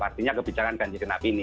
artinya kebijakan ganjil genap ini